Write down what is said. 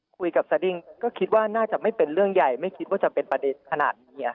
สดิ้งก็คิดว่าน่าจะไม่เป็นเรื่องใหญ่ไม่คิดว่าจะเป็นประเด็นขนาดนี้